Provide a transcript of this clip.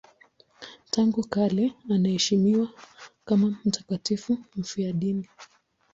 Tangu kale anaheshimiwa kama mtakatifu mfiadini.